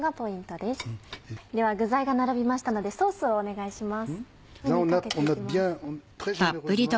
では具材が並びましたのでソースをお願いします。